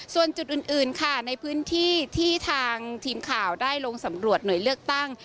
ส่วนจุดอื่นค่ะในพื้นที่ที่ทางทีมข่าวได้ลงสำรวจหน่วยเลือกตั้ง